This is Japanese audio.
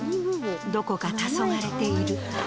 どこかたそがれている。